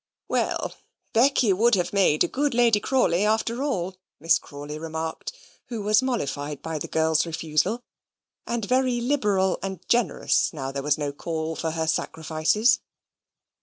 "Well, Becky would have made a good Lady Crawley, after all," Miss Crawley remarked (who was mollified by the girl's refusal, and very liberal and generous now there was no call for her sacrifices).